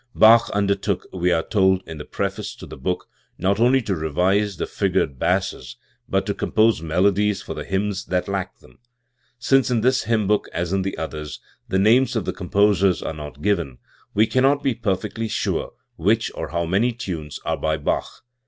Bach undertook, we are told in the preface to the book, not only to revise the figured basses, but to compose melodies for the hymns that lacked them. Since in this hymn book, as in the others, the names of the com posers are not given, we cannot be perfectly sure which or how many tunes are by Bach.